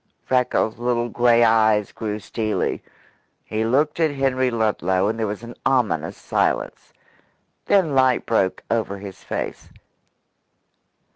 Freckles' little grey eyes grew steely. He looked at Henry Ludlow, and there was an ominous silence. Then light broke over his face.